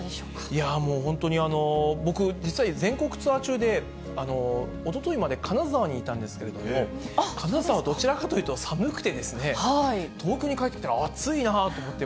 いやもう、本当に、僕、実は全国ツアー中で、おとといまで金沢にいたんですけれども、金沢、どちらかというと寒くてですね、東京に帰ってきたら暑いなと思って。